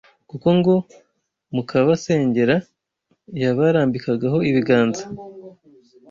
kuko ngo mu kubasengera yabarambikagaho ibiganza